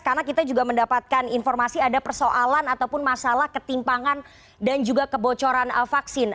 karena kita juga mendapatkan informasi ada persoalan ataupun masalah ketimpangan dan juga kebocoran vaksin